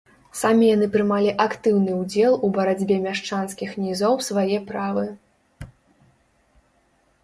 Самі яны прымалі актыўны ўдзел у барацьбе мяшчанскіх нізоў свае правы.